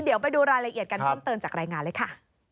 เดี๋ยวไปดูรายละเอียดกันเพิ่มเติมจากรายงานเลยค่ะ